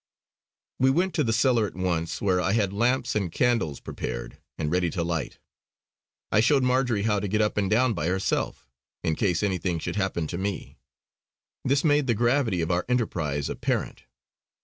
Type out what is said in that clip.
We went to the cellar at once where I had lamps and candles prepared and ready to light. I showed Marjory how to get up and down by herself, in case anything should happen to me. This made the gravity of our enterprise apparent.